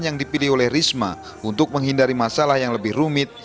yang dipilih oleh risma untuk menghindari masalah yang lebih rumit